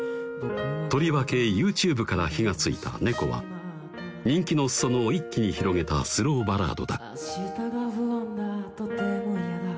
とりわけＹｏｕＴｕｂｅから火がついた「猫」は人気の裾野を一気に広げたスローバラードだ「明日が不安だとても嫌だ」